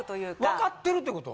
分かってるってこと？